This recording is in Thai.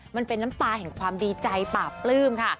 มันเป็นน้ำตาแห่งความดีใจปราบปลื้มค่ะ